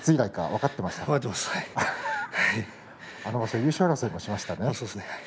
あの場所優勝争いもしましたね。